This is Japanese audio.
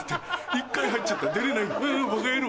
一回入っちゃったら出れないバカ野郎！